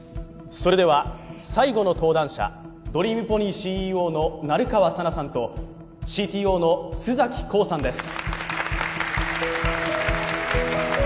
・それでは最後の登壇者ドリームポニーＣＥＯの成川佐奈さんとＣＴＯの須崎功さんです